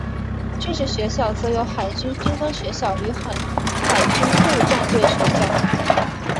军事学校则有海军军官学校与海军陆战队学校。